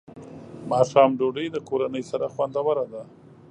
ماښام ډوډۍ د کورنۍ سره خوندوره ده.